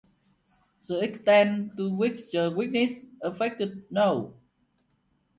The extent to which the weakness affected no.